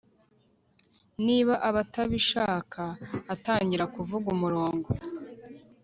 niba atabishaka atangira kuvuza umurongo